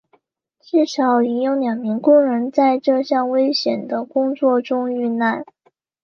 至少已有两名工人在这项危险的工作中遇难。